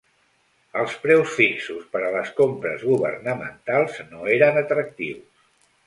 Els preus fixos per a les compres governamentals no eren atractius.